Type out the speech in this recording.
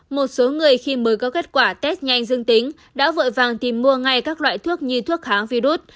một số người khi mới có kết quả test nhanh dương tính đã vội vàng tìm mua ngay các loại thuốc như thuốc kháng virus